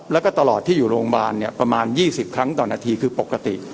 แล้วก็ตลอดที่อยู่โรงพยาบาลเนี่ยประมาณ๒๐ครั้งต่อนาทีคือปกติ